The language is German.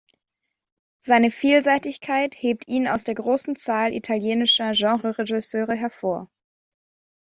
Seine Vielseitigkeit hebt ihn aus der großen Zahl italienischer Genre-Regisseure hervor.